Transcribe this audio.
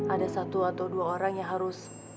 ada satu atau dua orang yang harus